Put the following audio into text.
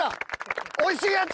おいしいやつ！